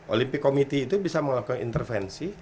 olimpik committee itu bisa melakukan intervensi